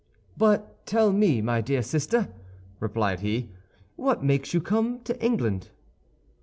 "But tell me, my dear sister," replied he, "what makes you come to England?"